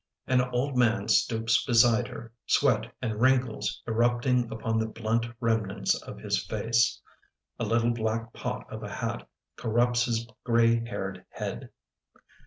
An old man stoops beside her, Sweat and wrinkles errupting Upon the blunt remnants of his face. A little black pot of a hat Corrupts his grey haired head.